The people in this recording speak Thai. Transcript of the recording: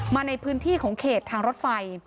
มาในพื้นที่ของเขตทางรถไฟ